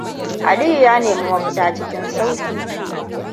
Aliyu ya nemi mafita cikin sauƙi.